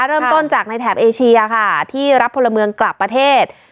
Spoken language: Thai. เริ่มต้นจากในแถบเอเชียค่ะที่รับพลเมืองกลับประเทศ